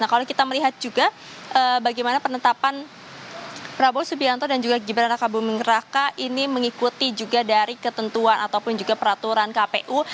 nah kalau kita melihat juga bagaimana penetapan prabowo subianto dan juga gibran raka buming raka ini mengikuti juga dari ketentuan ataupun juga peraturan kpu